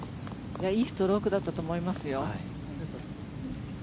いいストロークだったと思いますよ。